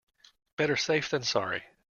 Better safe than sorry.